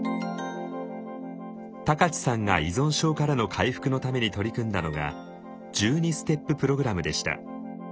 高知さんが依存症からの回復のために取り組んだのが１２ステッププログラムでした。